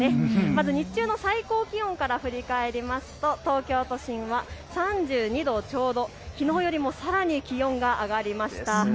まず日中の最高気温から振り返りますと東京都心は３２度ちょうど、きのうよりもさらに気温が上がりました。